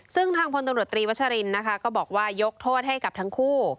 ซึ่งทางพลตำรวจตรีวัชรินนะคะก็บอกว่ายกโทษให้กับทั้งคู่